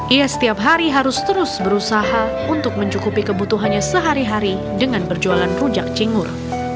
ia setiap hari harus terus berusaha untuk mencukupi kebutuhannya sehari hari dengan berjualan rujak cingur